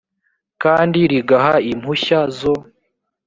kandi rigaha impushya zo